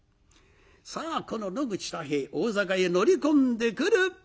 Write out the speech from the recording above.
さあこの野口太兵衛大坂へ乗り込んでくる。